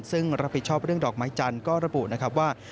ซึ่งรับผิดชอบเรื่องดอกไม้จันทร์ก็ระบุนะครับว่า